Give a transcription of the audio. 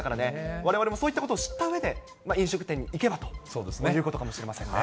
われわれもそういったことを知ったうえで、飲食店に行けばということかもしれませんね。